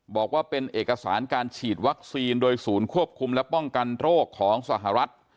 บอกว่าเป็นเอกสารการฉีดวัคซีนโดยศูนย์ควบคุมและป้องกันโรคของสหรัฐ